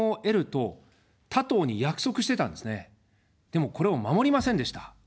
でも、これを守りませんでした。